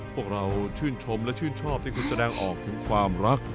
พวกเราชื่นชมและชื่นชอบที่คุณแสดงออกถึงความรัก